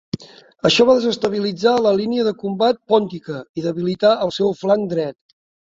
Això va desestabilitzar la línia de combat pòntica i debilitar el seu flanc dret.